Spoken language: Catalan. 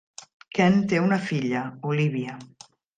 Ken té una filla, Olivia.